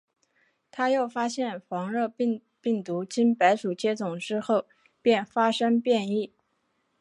他又发现黄热病病毒经白鼠接种之后便发生变异。